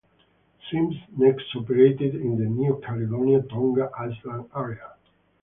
"Sims" next operated in the New Caledonia-Tonga Islands area.